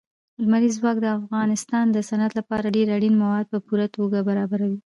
لمریز ځواک د افغانستان د صنعت لپاره ډېر اړین مواد په پوره توګه برابروي.